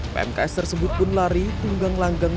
pmks tersebut pun lari tunggang langgang